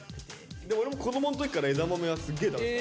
でもオレも子供の時から枝豆はすっげえ食べてた。